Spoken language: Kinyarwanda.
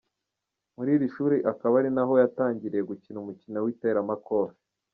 Muri iri shuri akaba ari naho yatangiriye gukina umukino w’iteramakofe.